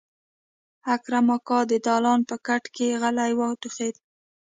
اکرم اکا د دالان په کټ کې غلی وټوخېد.